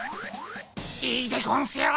いいでゴンスよ！